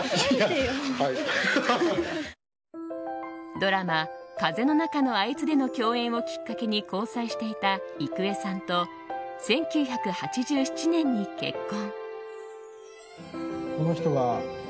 ドラマ「風の中のあいつ」での共演をきっかけに交際していた郁恵さんと１９８７年に結婚。